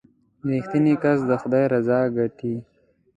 • رښتینی کس د خدای رضا ګټي.